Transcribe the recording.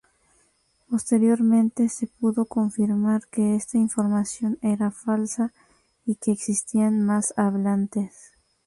Posteriormente se pudo confirmar que esta información era falsa y que existían más hablantes.